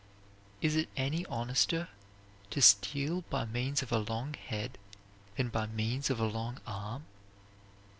Is it any honester to steal by means of a long head than by means of a long arm?